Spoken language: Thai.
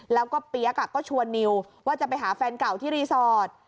แล้วก็เปี๊ยกก็ชวนนิวว่าจะไปหาแฟนเก่าที่รีสอร์ท